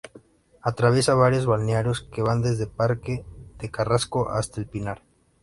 Atraviesa varios balnearios que van desde Parque de Carrasco hasta El Pinar.